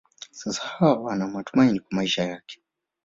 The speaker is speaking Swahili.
Sasa Hawa ana matumaini kwa maisha yake.